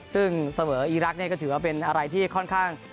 ซึ่งเสมออีรักษ์ก็ถือว่าเป็นอะไรที่ค่อนข้าง